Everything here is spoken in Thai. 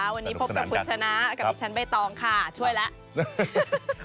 วันนี้พบกับคุณชนะกับดิฉันใบตองค่ะช่วยแล้ว